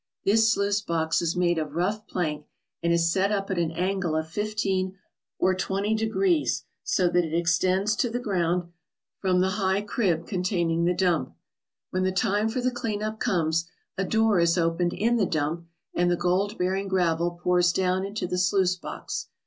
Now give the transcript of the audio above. This sluice box is made of rough plank and is set up at an angle of fifteen or twenty degrees so that it extends to the ground from the high crib containing the dump. When the time for the clean up comes, a door is opened in the dump and the gold bearing gravel pours down into the sluice box.